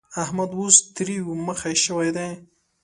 احمد اوس تريو مخی شوی دی.